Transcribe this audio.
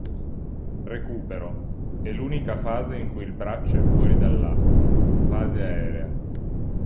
Recupero: è l'unica fase in cui il braccio è fuori dall'acqua (fase aerea).